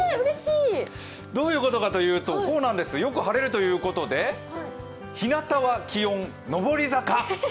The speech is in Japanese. どういうことかというと、こうなんです、よく晴れるということで、日向は気温のぼり坂。